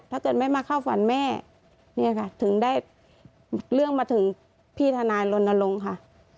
ถ้าเกิดไม่มาเข้าฝันแม่เนี่ยค่ะถึงได้เรื่องมาถึงพี่ทนายรณรงค์ค่ะ